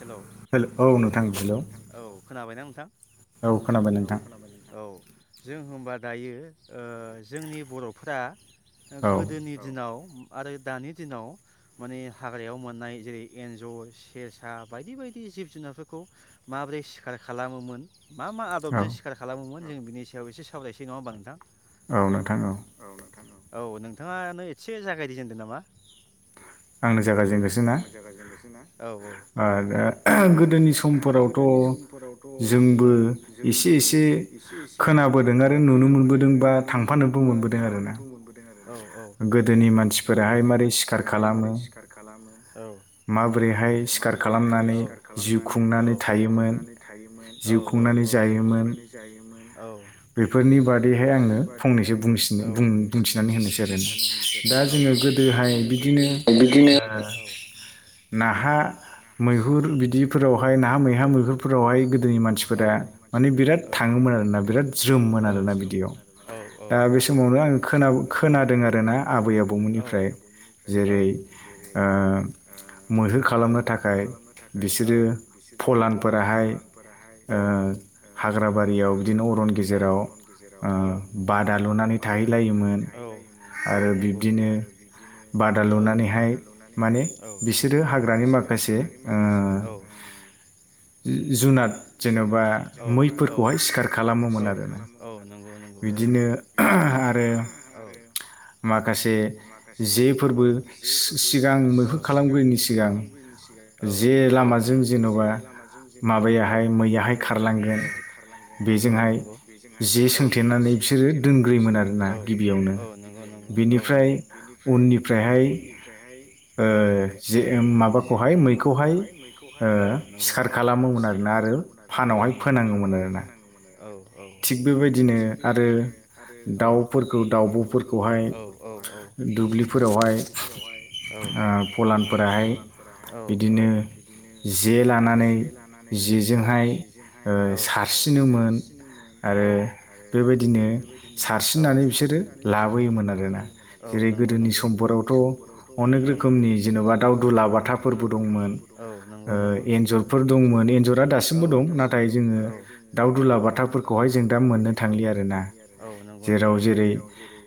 Hello औ नोंथां औ खोनाबायना नोंथां? औ खोनाय औ जों औ बा दायो जोंनि बर'फोरा गोदोनि दिनाव आरो दानि दिनाव माने हाग्रायाव मोननाय जेरै एन्जर सेस सा बायदि बायदि जिब जुनारफोरखौ माबोरै सिखार खालामोमोन। मा मा आदबजों सिखार खालामोमोन जों बिनि सायाव एसे सावरायनोसै नङा होमबा नोंथां। औ नोंथां औ। औ नोंथाङानो एसे जागायजेनदों नामा? आंनो। आंनो जायगा जेननोसै ना? आरो गोदोनि समफोरावथ' जोंबो एसे एसे एसे खोनाबोदों आरो नुनो मोनबोदों बा थांफानोबो मोनबोदों आरो। गोदोनि मानसिफोराहाय मारै सिखार खालामो। माबोरैहाय सि माबोरैहाय औ सिखार खालामनानै औ जिउ खुंनानै थायोमोन औ औ औ जिउ खुंनानै जा जायोमोन औ बेफोरनि बादैहाय आङो फंनैसो बुंसि बुं बुंथिनानै होनोसै आरो दा जोङो गोदोहाय बिदिनो ओ नाहा मैहुर बिदिफोरावहाय नाहा मैहा-मैहुरफोरावहाय गोदोनि मानसिफोरा माने बिराद थाङोम बिराद थाङोमोन आरोना औ सुबुंफोरा औ औ औ‌ ओ बे समावनो खा खोनादों आरोना औ आबै आबौमोननिफ्राय औ जेरै मैहुर खालामनो थाखाय खालामनो थाखाय औ बिसोरो औ फलानफोराहाय औ हाग्राबारियाव बिदिनो अरन गेजेराव ओ बादा लुनानै थाहैलायोमोन आरो बिब्दिनो बादा लुनानैहाय हाय माने बिसोरो हाग्रानि माखासे जुनाद जेन'बा मैफोरखौहाय सिखार खालामोमोन आरोना औ बिदिनो औ। माखासे जे फोरबो सि-सिगां सिगां मैफोर खालामग्रोनि सिगां औ औ जे लामाजों जेन'बा औ माबायाहाय मैयाहाय खारलांगोन औ नंगौ बेजोंहाय औ जे सोंथेरनानै बिसोरो औ दोनग्रोयोमोन आरोना औं नंगौ नंगौ बिनिफ्राय औ उननिफ्रायहाय औ ओ जे माबाखौहाय मैखौहाय औ नांगौ नोंथां सिखार खालाम मोन आरोना हानावहाय फोनांङोमोन आरो औ औ औ नंगौ थिग बेबायदिनो आरो औ दाउफोरखौ दउफोरखौ औ औ औ दुब्लिफोरावहाय औ फलानफोराहाय औ औ बिदिनो औ जे लानानै जेजोंहाय ओ सारसिनोमोन आरो बेबायदिनो सारसिननानै बिसोरो लाबोयोमोन आरोना जेरै गोदोनि समफोराव समफोरावथ' औ अनेक रोखोमनि जेनेबा दाउ दुलाबाथाफोरबो दंमोन औ नंगौ नंगौ एन्जरफोर दंमोन दासिमबो दं नाथाय जोंङो दाउ दुला बाथा दुलाबाथाफोरखौहाय औ जोङो मोननो थांलिया औ नंगौ नंगौ आरो जेराव जेरै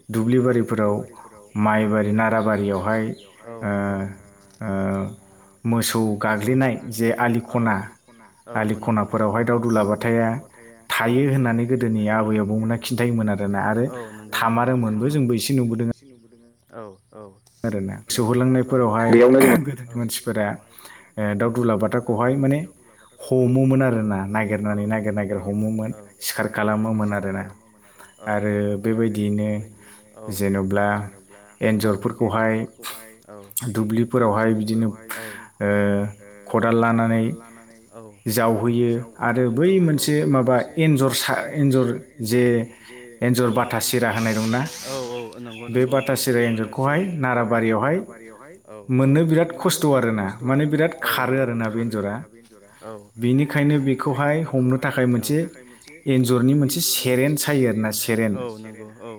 दुब्लि बारिफोर फोराव औ माइबारि नाराबारियावहाय औ नंगौ ओ ओ मोसौ गाग्लिनाय औ बे आलि खना औ नंगौ नंगौ आलि खनाफोरावहाय दाउ दुलाबाथाया औ थायो होननानै गोदोनि आबै आबौमोना खिन्थायोमोन औ नंगौ नंगौ थामारो मोनबो जोंबो एसे नुबोदों आं औ औ औ बेयावनो जोङो दाव दुलाबाथाखौहाय माने औ हमोमोन आरोना औ नागिरनानै औ नागिर-नागिर हमोमोन सगखार खालाम आरोना औ नंगौ आरो बेबायदियैनो औ जेनेब्ला औ एन्ज दुब्लिफोरावहाय औ बिदिनो ओ खदाल लानानै जावहैयो आरो बै मोनसे माबा एन्जर सा एन्जर जे जे औ एन्जर बाथासिरा औ औ नंगौ नंगौ औ बे बाथास राबारियावहाय मोननो बिराद खस्थ' आरोना माने बिराद खारो आरोना बे एन्जरा बे एनजरा औ बेनिखायनो बेखौहाय हमनो थाखाय मोनसे एन्जरनि मोनसे सेरेन सायो सेरेन औ नंगौ औ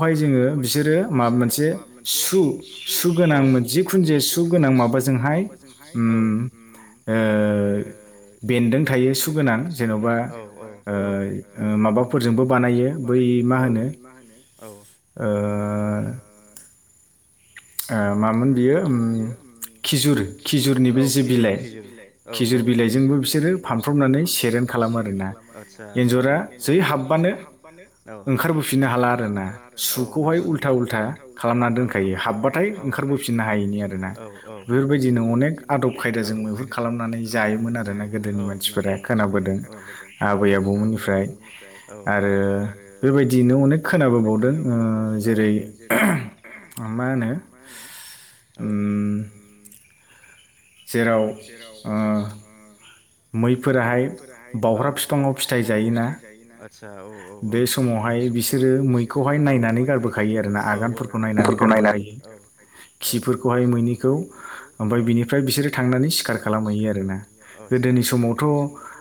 औ। बेखौहाय जोङो बिसोरो माबा मोनसे सु औ सुगोनांमोन जिखुनु जे सुगोनां माबाजोंहाय औ ओम ओ बेन्दों थायो सुगोनां जेन'बा ओ ओ माबाफोरजोंबो माबाफोरजोंबो बानायो औ बै मा होनो औ। ओ ओ मामोन बियो उम खिजुर-खिजुरनि बे जे बिलाइ खिजुर बि खिजुर बिलाइजोंबो बिसोरो फानफ्रमनानै सेरेन खालामो आरो आतसा औ औ एन्जरा जै हाबबा नो औ ओंखारबोफिननो हाला आरोना औ नंगौ नंगौ सुखौहाय औ औ उल्था उल्था खालामनानै दोनखायो। फैफिननो हायैनि आरोना बेफोरबायदिनो अनेक आदब खायदाजों मैहुर खालामनानै जायोमोन आरोना। औ नोंगौ नोंगौ औ खोनाबोदों औ आबै आबौमोननिफ्राय औ औ आरो बेबायदियैनो अनेक खोनाबोबावदों ओ जेरै मा होनो मा होनो औ ओम जेराव ओ मैफोराहाय औ बाव्रा फिफाङाव फिथाइ जायोना आसा औ औ औ औ। बेवहाय बिसोरो मैखौहाय नायनानै गारबोखायो आरो ना आगानफोरखौ नायनानै गारबोखायो। खिफोरखौहाय मैनिखौ ओमफ्राय बिनिफ्राय बिसोरो थां ओमफ्राय बिसोरो थांनानै सिखार खालामहैयो आरो। आतच औ। गोदोनि समावथ'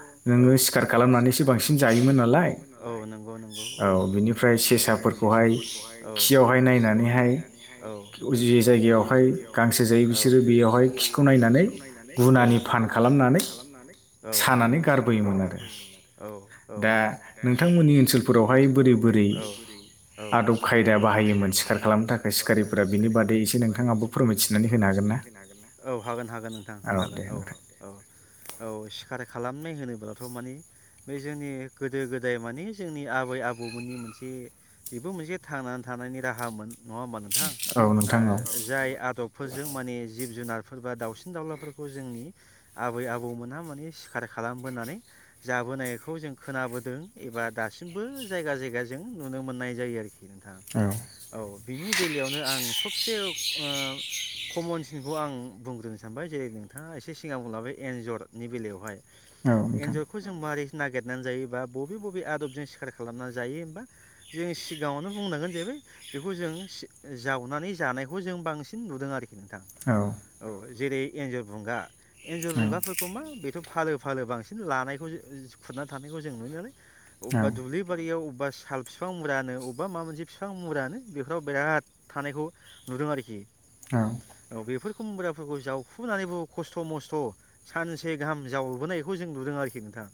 औ। नोङो सिखार खालामनानैसो बांसिन जायोमोन नालाय औ नंगौ नंगौ। औ बिनिफ्राय सेसाफोरखौहाय औ खियावहाय नायनानैहाय औ बेयावहाय गांसो जायो बिसोरो बेयावहाय खिखौ नायनानै खिखौ नायनानै औ गुनानि फान खालाम मनानै औ नों सानानै गारबोयोमोन आरो औ औ दा नोंथांमोननि ओनसोलफोरावहाय औ बोरै बोरै औ आदब खायदा बाहायोमोन सिखार खालामनो थाखाय सिखारिफोरा बिनि बादै एसे नोंथाङाबो फोरमायथिननानै होनो हागोन ना? औ हागोन हागोन नोंथां हागोन औ औ औ। औ सिखार खालामनाय होनोब्लाथ' मानि बे जोंनि गोदो गोदाय मानि जोंनि आबै आ बौमोननि मोनसे बेबो मोनसे थांनानै थानायनि राहामोन। नङा होमबा नोंथां? औ जाय आदबफोरजों माने जिब जुनार फोर बबा दाउसिन दाउलाफोरखौ जोंनि आबै आबौमोनहा माने सिखार खालामबोनानै जा बोनायखौ जों खोनाबोदों एबा दासिमबो जायगा जायगा जों नुनो मोननाय जायो आरो खि नोंथां औ बिनि बेलायावनो आं सब से ओ कमनसिनखौ आं बुंग्रोनो सानबाय जेरै नोंथाङा एसे सिगां बुंलांबाय एन्जरनि बेलायावहाय एन्जरखौ जों मारै नागिरनानै जायोबा बबे बबे आदबजों सिखार खालामनानै जायो होमबा जों सिगाङावनो बुंनांगोन जाहैबाय बेखौ जों जावनानै जानायखौ जों बांसिन नुदों आरोखि नोंथां। औ जेरै एन्जर बुंगा एन्जर बुंगाफोरखौ मा बेथ' फालो फालो बांसिन लानायखौ खुरना थानायखौ जों नुयोनालाय अबेबा दुब्लि बारियाव अबेबा साल बिफां मुरानो अबेबा मा मोनसे बिफां मुरानो बेफोराव बिराद थानायखौ नुदों आरोखि। औ बेफोर खुम्ब्राफोरखौ जावखुबनानैबो खस्थ' मस्थ' सानसे गाहाम जावबोनायखौ जों नुदों आरोखि नोंथां।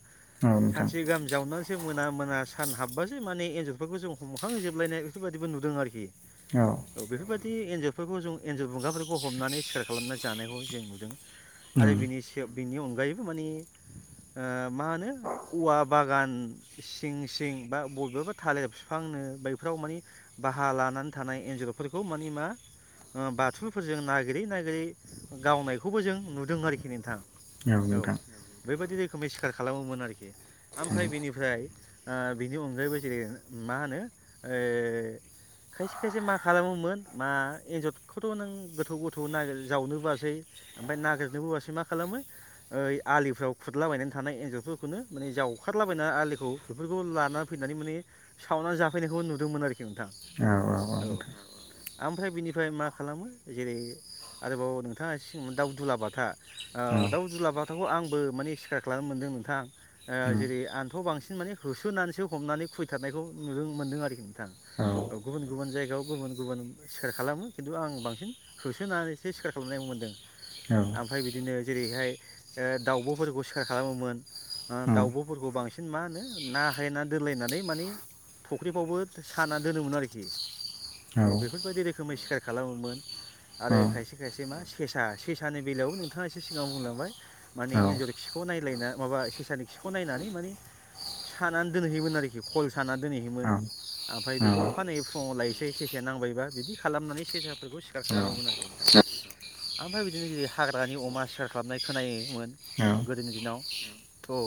सानसे गाहाम जावनो सै मोना मोना सान हाबबासो माने एन्जरफोरखौ जों हमखांजोबलायनाय बेफोरबायदिबो नुदों आरोखि। औ बेफोरबायदि एन्जरफोरखौ जों एन्जर बुंगाफोरखौ हमनानै सिखार खालामना जानायखौ जों नुदों आरो बिनि से बिनि अनगायैबो माने ओ मा होनो औवा बागान सिं सिं बा बयबाबो थालिर बिफां आंनो बैफोराव माने बाहा लानानै थानाय एन्जर'फोरखौ मानि मा ओ बाथुलफोरजों नागिरै नागि यै गावनायखौबो जों नुदों आरोखि नोंथाङ औ बे बायदि रोखोमै सिखार खालामोमोन आरोखि ओमफ्राय बेनिफ्राय आ बिनि अनगायैबो जेरै मा होनो ऐ खायसे खायसे मा खालामोमोन मा एन्जरखौथ' नों गोथौ गोथौ नागिर जावनोबोसै ओमफफ्राय नागिरनोबोबासै मा खालामो ओइ आलिफ्राव खुरलाबायायनानै थानाय एनजर बेफोरखौनो माने जावखारलाबायना आलिखौ बेफोरखौ लानानानै फैनानै माने सावनानै जाफैनायखौ नुदोंमोन आरोखि। औ औ औ नोंथां ओमफ्राय बिनिफ्राय मा खालामो जेरै आरोबाव नोंथाङा सिगांआव दाउ दुलाबाथा ओ दाउ दुला बाथाखौ आंबो माने सिखार खालामनो मोनदों नोंथां जेरै आंथ' बांसिन माने होसोनानैसो हमनानै खुबैथारनायखौ नुनो मोनदों आरोखि नोंथाङा औ गुबुन गुबन जायगायाव गुबुन गुबुन सिखार खालामो खिन्थु आं बांसिन होसोनानैसो सिखार खालामनाय मोनदों। ओमफ्राय बिदिनो जेरैहाय ओ दाउब'फोरखौ सिखार खालामोमोन। दाउब'फोरखौ बांसिन मा होनो ना हायना दोलायनानै माने फुख्रिफ्रावबो साना दोनोमोन आरोखि। औ बेफोरबायदि रोखोमै सिखार खालामोमोन आरो खायसे खायसे मा सेसा सेसानि बेलायाव नोंथाङा एसे सिगाङाव बुंलांबाय मानानि एन्जरखिखौ नायलायना नै माबा सेसानि खिखौ नायनानै माने सानानै दोनहैयोमोन आरोखि खल सानानै दोनहैयोमोन। ओमफ्राय बेखौ अखानायै फुङाव लायोसै सेसाया नांबायबा बिदि खालामनानै सेसाफोरखौ सिखार खालामोमोन आरो। ओमफ्राय बिदिनो जेरै हाग्रानि अमा सिखार खालामनाय खोनायोमोन। गोदोनि दिनाव थ'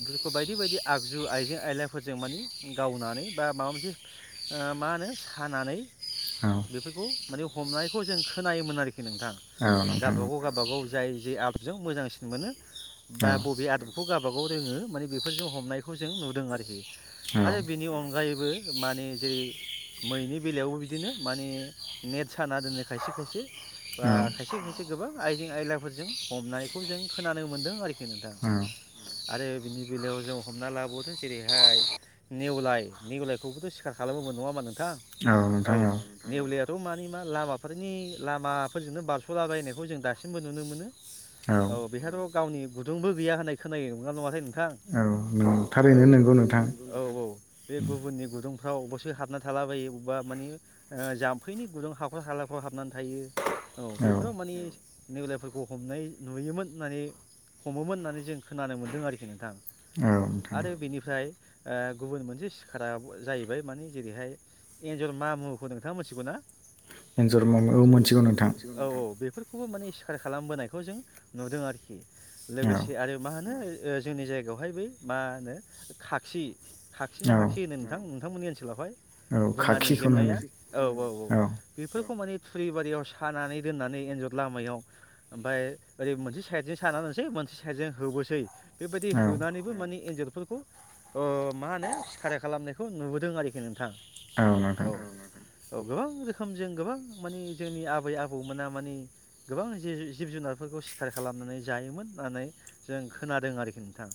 बेफोरखौ बायदि बायदि आगजु आइजें आयलाफोरजों माने गावनानै बा माबा मोनसे ओ मा होनो सानानै बेफोरखौ माने हमनायखौ जों खोनायोमोन आरोखि नोंथां गावबा गाव गाब गावबागाव जाय जे आदबजों मोजांसिन मोनो बा बबे आदबखौ गावबागाव रोङो माने बेफोरजों हमनायखौ जों नुदों आरोखि आरो बेनि अनगायैबो माने जेरै मैनि बेलायावबो बिदिनो माने नेट साना दोननाय खायसे खायसे बा खायसे खायसे गोबां आइजें आयलाफोरजों हमनायखौ जों खोनानो मोन्दों आरोखि नों औ आरो बिनि बेलायाव जों हमना लाबावदो जेरैहाय नेवलाय नेवलायखौबोथ' सिखार खालामोमोन नङा होमबा नोंथां औ नेवलायाथ' मानि मा लामाफोर बिनि लामाफोरजोंनो बारस'लाबायनायखौ जों दासिमबो नुनो मोनो। औ बेहायाथ' गावनि गुदुंबो गैया होननाय खोनायो नंगोना नङाथाय नोंथां। थारैनो नंगौ नोंथां। बे गुबुननि गुदुंफ्राव अबसे हाबना थाला बायो अबेबा मानि ओ जाम्फैनि गुदुं हाखर हाला फोराव हाबनानै थायो औ बेफोराव माने नेवलायफोरखौ हमनाय नुयोमोन माने हमोमोन होननानै जों खोनानो मोन्दों आरोखि नोंथां।। आरो बेनिफ्राय गुबुन मोनसे सिखारा जाहैबाय माने जेरैहाय एनजर मा मु होदोंमोन नोंथां मोनथिगौ ना? एन्जर औ मोनथिगौ नोंथां। बेफोरखौबो माने सिखार खालामबोनायखौ जों नुदों आरोखि। लोगोसे आरो मा होनो ओ जोंनि जायगायावहाय बै मा होनो खाखसि खाखि ना हाखि होनो नोंथां नोंथांमोननि ओनसोलावहाय गुनानि हेबनाया औ औ औ बे फोरखौ माने थुरि बारि सानानै दोननानै एन्जर लामायाव ओमफ्राय ओरै मोनसे साइद साना सै मोनसे साइडजों होबोसै बेबायदि होनानैबो माने एन्जरफोरखौ ओ मा होनो सिखार खालामनायखौ नुबोदों आरोखि नोंथां। औ औ गोबां रोखोम जों गोबां माने जोंनि आबै आबौमोना माने गोबां जिब जुनारफोरखौ सिखार खालामनानै जायोमोन होननानै जों खोनादों आरोखि नोंथां।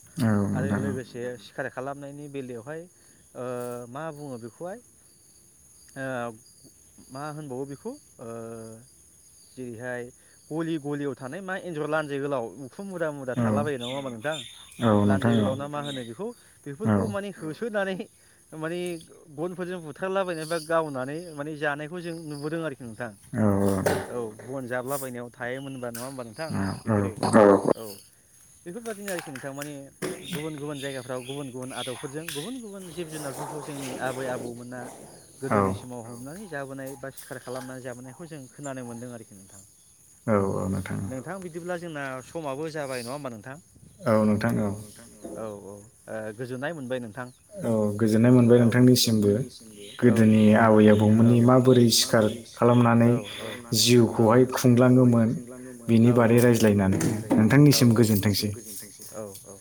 आरो लोगोसे सिखार खालामनायनि बेलायावहाय ओ मा बुङो बेखौहाय मा होनबावो बेखौ ओ जेरैहाय गलि गलियाव थानाय मा एन्जर लान्जाय गोलाव उखुम मुदा मुदा थालाबायो नङा होमबा नोंथां। दा लान्जाय गोलाव ना मा होनो बेखौ बेफोरखौ माने होसोनानै माने बनफोरजों बुथारलाबायनाय बा गावनानै माने जानायखौ जों नुबोदों आरोखि नोंथां औ बन जाबलाबायनायाव थायोमोनबा नङा होमबा नोंथां बेफोरो औ बेफोरबायादिनो आरोखि नोंथां माने गुबुन गुबुन जायगाफ्राव गुबुन गुबुन आदबफोरजों गुबुन गुबुन जिब जुनार बेफोरखौ जोंनि आबै आबौमोना गोदोनि समाव हमनानै जाबोनाय बा सिखार खालामनानै जाबोनायखौ जों खोनानो मोन्दों आरोखि नोंथाङा औ नोंथां बिदिब्ला जोंना समाबो जाबाय नङा होमबा नोंथां औ नोंथां औ औ औ गोजोननाय मोनबाय नोंथां औ गोजोननाय मोनबाय नोंथां निसिमबो गोदोनि आबै आबौ माबोरै सिखारनानै जिउखौहाय खुंलाङोमोन नि बारै रायज्लायनानै नोंथांनिसिम गोजोनथोंसै औ औ।